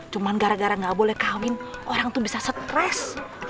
cuma gara gara nggak boleh kawin orang tuh bisa stres